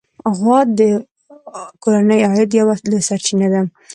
غوا د کورنۍ د عاید یوه لویه سرچینه ده.